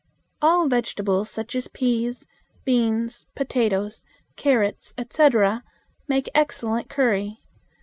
All vegetables such as peas, beans, potatoes, carrots, etc., make excellent curry.